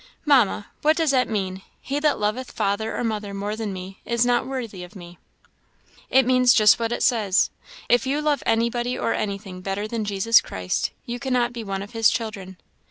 "Mamma, what does that mean, 'He that loveth father or mother more than me, is not worthy of me?' " "It means just what it says. If you love anybody or anything better than Jesus Christ, you cannot be one of his children."